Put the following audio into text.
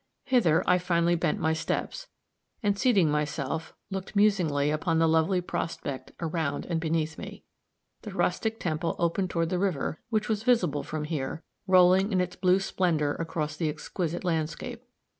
Hither I finally bent my steps, and seating myself, looked musingly upon the lovely prospect around and beneath me. The rustic temple opened toward the river, which was visible from here, rolling in its blue splendor across the exquisite landscape.